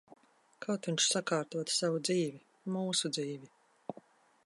Kaut viņš sakārtotu savu dzīvi. Mūsu dzīvi.